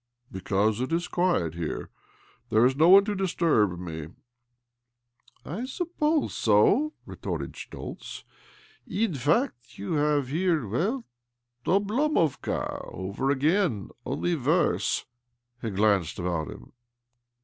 " Because it is quiet here— there is no one to disturb me." " I suppose so," retorted Schtoltz. " In fact, you have here— well, Oblomovka over again, only worse." He glanced about him.